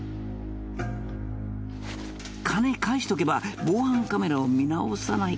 「金返しとけば防犯カメラを見直さないから」